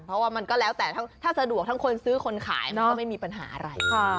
เพราะว่ามันก็แล้วแต่ถ้าสะดวกทั้งคนซื้อคนขายมันก็ไม่มีปัญหาอะไร